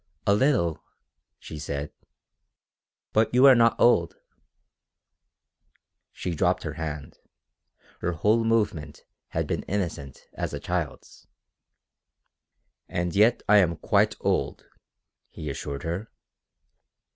"A little," she said. "But you are not old." She dropped her hand. Her whole movement had been innocent as a child's. "And yet I am quite old," he assured her.